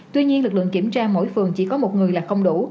tuy nhiên lực lượng kiểm tra mỗi phường chỉ có một người là không đủ